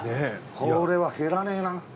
これは減らねえな。